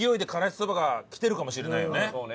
そうね。